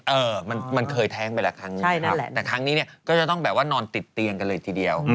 เออมันเคยแท้งไปละครั้งแต่ครั้งนี้เนี่ยก็จะต้องแบบว่านอนติดเตียงกันเลยทีเดียว